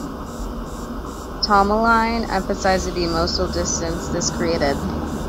Tomalin emphasizes the emotional distance this created.